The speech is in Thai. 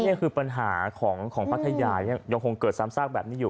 นี่คือปัญหาของพัทยายังคงเกิดซ้ำซากแบบนี้อยู่